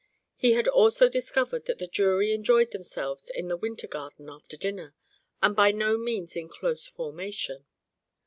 He had also discovered that the jury enjoyed themselves in the winter garden after dinner, and by no means in close formation.